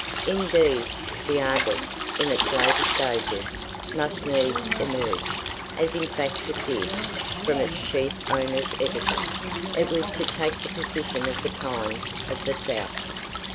Indeed, "The Argus", in its later stages, must needs emerge, as in fact it did, from its chief owner's editing, if it was to take the position of "The Times" of the South.